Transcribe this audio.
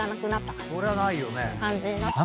そりゃないよね。